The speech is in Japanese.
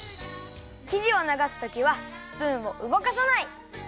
きじをながすときはスプーンをうごかさない！